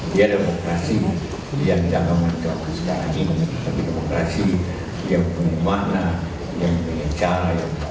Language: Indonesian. dia demokrasi yang jangan mencobur sekarang ini tapi demokrasi yang punya mana yang punya cara yang baik